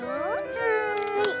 はい！